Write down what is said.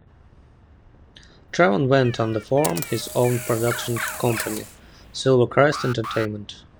Travon went on to form his own production company, Silvercrest Entertainment.